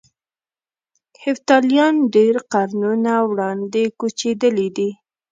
هفتالیان ډېر قرنونه وړاندې کوچېدلي دي.